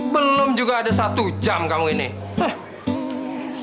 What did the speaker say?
belum juga ada satu jam kamu ini